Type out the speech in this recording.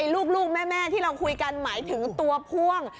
ลูกแม่ที่เราคุยกันหมายถึงตัวพ่วง